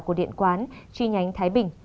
của điện quán tri nhánh thái bình